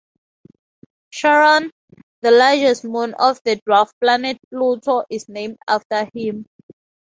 Charon, the largest moon of the dwarf planet Pluto, is named after him.